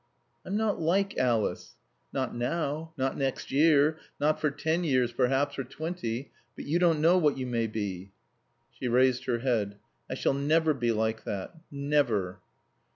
"I'm not like Alice." "Not now. Not next year. Not for ten years, perhaps, or twenty. But you don't know what you may be." She raised her head. "I shall never be like that. Never."